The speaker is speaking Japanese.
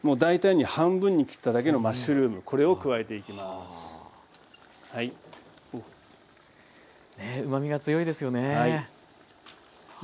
ねっうまみが強いですよね。